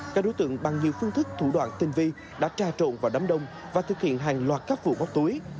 các đối tượng bằng nhiều phương thức thủ đoạn tinh vi đã tra trộn vào đám đông và thực hiện hàng loạt các vụ bóc túi